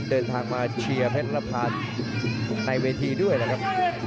เดินทางมาเชียร์เพชรละพานในเวทีด้วยนะครับ